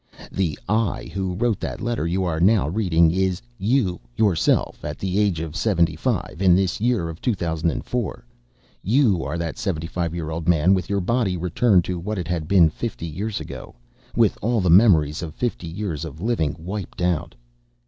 The I who wrote that letter you are now reading is you, yourself at the age of seventy five, in this year of 2004. You are that seventy five year old man, with your body returned to what it had been fifty years ago, with all the memories of fifty years of living wiped out.